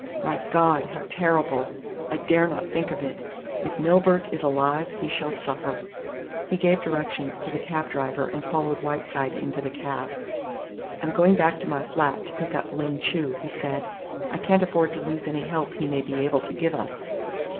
My God! How terrible! I dare not think of it. If Milburgh is alive he shall suffer." He gave directions to the cab driver and followed Whiteside into the cab. "I'm going back to my flat to pick up Ling Chu," he said. "I can't afford to lose any help he may be able to give us."